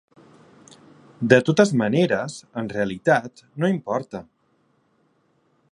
De totes maneres, en realitat, no importa.